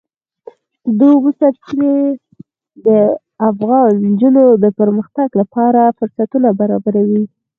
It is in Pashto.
د اوبو سرچینې د افغان نجونو د پرمختګ لپاره فرصتونه برابروي.